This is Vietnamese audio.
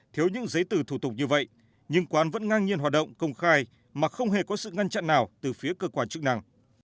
thiếu những giấy tờ thủ tục như vậy nhưng quán vẫn ngang nhiên hoạt động công khai mà không hề có sự ngăn chặn nào từ phía cơ quan chức năng